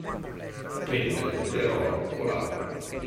Prendere per oro colato.